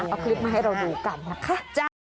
เอาคลิปมาให้เราดูกันนะคะ